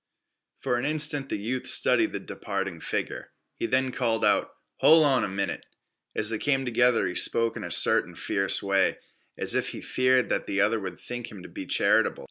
For an instant the youth studied the departing figure. Then he called out, "Hol' on a minnet." As they came together he spoke in a certain fierce way, as if he feared that the other would think him to be charitable.